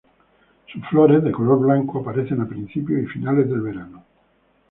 Sus flores, de color blanco, aparecen a principios y finales del verano.